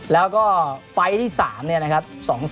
แล้วก็ไฟล์ที่๓เนี่ยนะครับ